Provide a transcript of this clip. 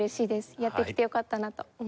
やってきてよかったなと思います。